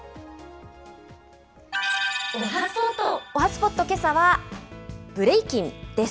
おはＳＰＯＴ、けさはブレイキンです。